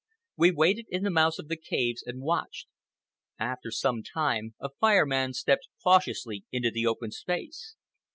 We waited in the mouths of our caves and watched. After some time a Fire Man stepped cautiously into the open space.